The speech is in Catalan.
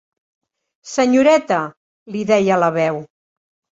Senyoreta, li deia la veu.